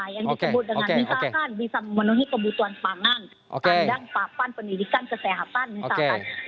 yang disebut dengan misalkan bisa memenuhi kebutuhan pangan pandang papan pendidikan kesehatan misalkan